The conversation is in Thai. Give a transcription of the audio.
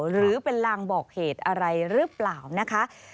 หรือเป็นลางบอกเหตุอะไรหรือเปล่านะคะ